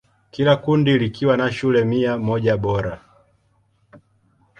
Kila kundi likiwa na shule mia moja bora.